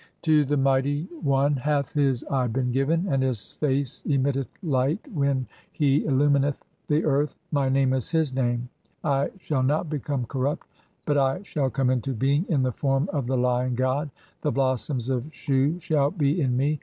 To the Mighty Il8 THE CHAPTERS OF COMING FORTH BY DAY. "One hath his Eye been given, and his face emitteth light when "[he] (15) illumineth the earth, [my name is his name]. 1 I shall "not become corrupt, but I shall come into being in the form "of the Lion god ; the blossoms of Shu shall be in mc.